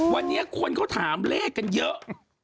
วันนี้คนเขาถามเลขกันเยอะ